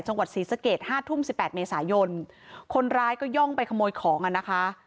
จังหวัดศรีสะเกดห้าทุ่มสิบแปดเมษายนคนร้ายก็ย่องไปขโมยของอ่ะนะคะ